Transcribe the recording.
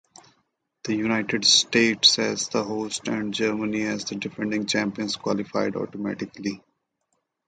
The United States, as the hosts, and Germany, as the defending champions, qualified automatically.